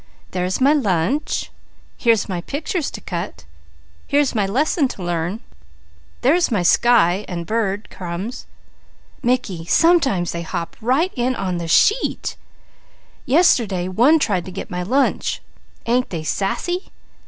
"There's my lunch. Here's my pictures to cut. Here's my lesson to learn. There's my sky and bird crumbs. Mickey, sometimes they hop right in on the sheet. Yest'day one tried to get my lunch. Ain't they sassy?"